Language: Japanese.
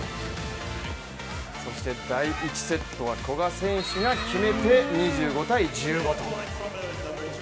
第１セットは古賀選手が決めて２５−１５と。